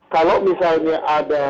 kalau misalnya ada